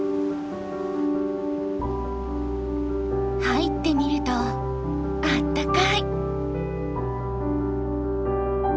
入ってみるとあったかい！